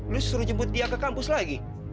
lu suruh jemput dia ke kampus lagi